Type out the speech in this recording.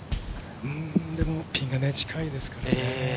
ピンが近いですからね。